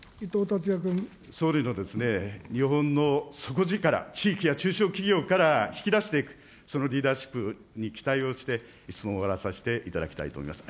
総理の日本の底力、地域や中小企業から引き出していく、そのリーダーシップに期待をして、質問を終わらさせていただきたいと思います。